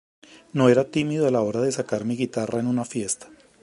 No era tímido a la hora de sacar mi guitarra en una fiesta.